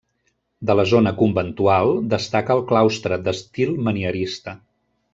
De la zona conventual, destaca el claustre, d'estil manierista.